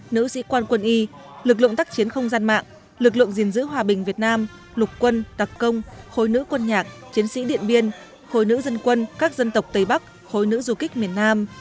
nữ sĩ quan quân y lực lượng tác chiến không gian mạng lực lượng gìn giữ hòa bình việt nam lục quân đặc công khối nữ quân nhạc chiến sĩ điện biên khối nữ dân quân các dân tộc tây bắc khối nữ du kích miền nam